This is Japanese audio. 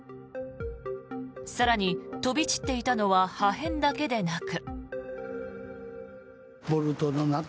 更に飛び散っていたのは破片だけでなく。